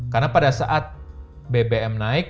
karena pada saat bbm naik